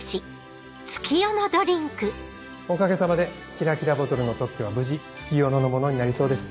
おかげさまでキラキラボトルの特許は無事月夜野のものになりそうです。